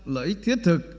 lợi ích thiết thực